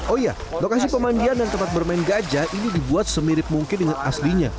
oh iya lokasi pemandian dan tempat bermain gajah ini dibuat semirip mungkin dengan aslinya